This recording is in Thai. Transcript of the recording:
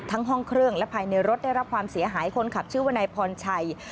ห้องเครื่องและภายในรถได้รับความเสียหายคนขับชื่อวนายพรชัย